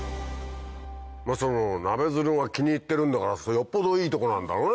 まぁナベヅルが気に入ってるんだからよっぽどいいとこなんだろうね。